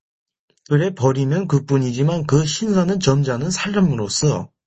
그래 버리면 그뿐이지만, 그 신사는 점잖은 사람으로서